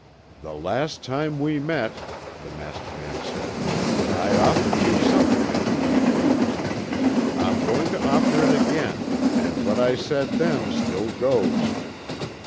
"The last time we met," the masked man said, "I offered you something that you refused. I'm going to offer it again, and what I said then still goes."